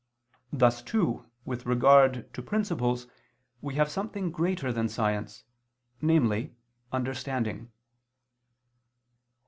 Thus too with regard to principles we have something greater than science, namely understanding.